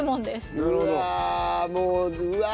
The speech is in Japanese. うわあもううわあ。